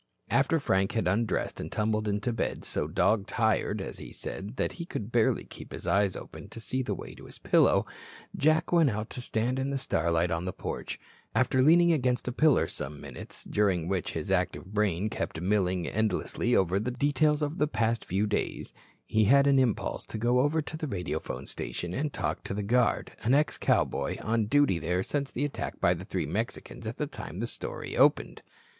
After Frank had undressed and tumbled into bed, so dog tired, as he said, that he could barely keep his eyes open to see the way to his pillow, Jack went out to stand in the starlight on the porch. After leaning against a pillar some minutes, during which his active brain kept milling endlessly over the details of the past few days, he had an impulse to go over to the radiophone station and talk to the guard, an ex cowboy, on duty there since the attack by three Mexicans at the time this story opened.